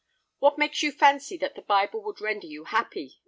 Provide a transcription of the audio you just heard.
"What makes you fancy that the Bible would render you happy?"